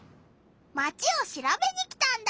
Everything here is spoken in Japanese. マチをしらべに来たんだ！